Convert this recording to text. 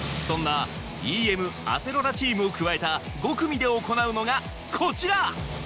そんなＥＭ・あせろらチームを加えた５組で行うのがこちら！